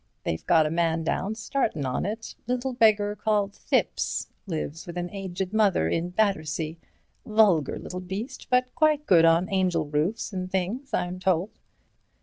They've got a man down startin' on it—little beggar called Thipps—lives with an aged mother in Battersea—vulgar little beast, but quite good on angel roofs and things, I'm told."